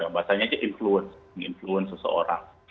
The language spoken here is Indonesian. bahasanya aja influence influence seseorang